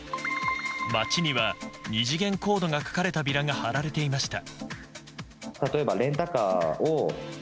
街には二次元コードが書かれたビラが貼られていました。